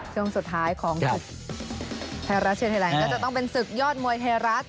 ช่วงสุดท้ายของเทย์แรนด์จะต้องเป็นศึกยอดมวยเทย์รัด